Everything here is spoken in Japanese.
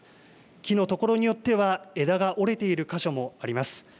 木の所によっては枝が折れている箇所もあります。